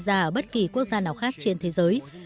trẻ em được sinh ra ở bất kỳ quốc gia nào khác trên thế giới